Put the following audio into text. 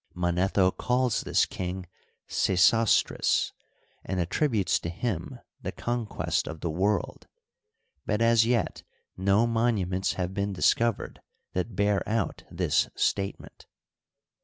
Manetho calls this king Sesostris, and attributes to him the conquest of the world ; but as yet no monuments have been discovered that bear out this statement.